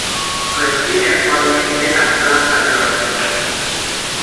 Reside actualmente en Atlanta, Georgia.